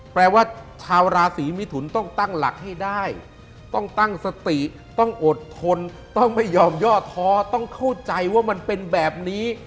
แปลว่าชาวราศีมิถุนต้องตั้งหลักให้ได้ต้องตั้งสติต้องอดทนต้องไม่ยอมย่อท้อต้องเข้าใจว่ามันเป็นแบบนี้